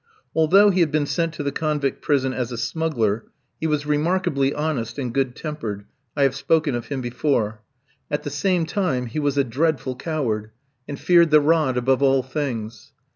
Although he had been sent to the convict prison as a smuggler, he was remarkably honest and good tempered (I have spoken of him before); at the same time he was a dreadful coward, and feared the rod above all things.